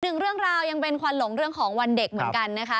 หนึ่งเรื่องราวยังเป็นควันหลงเรื่องของวันเด็กเหมือนกันนะคะ